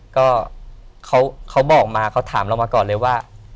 ก็เขาบอกมาเขาถามเรามาก่อนเลยว่า